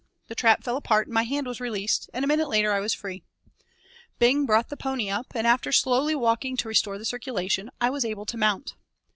The trap fell apart and my hand was released, and a minute later I was free. Bing brought the pony up, and after slowly walking to restore the circulation I was able to mount.